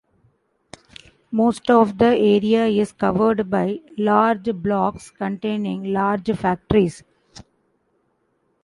Most of the area is covered by large blocks containing large factories.